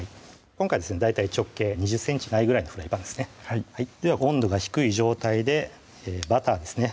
今回大体直径２０ｃｍないぐらいのフライパンですねでは温度が低い状態でバターですね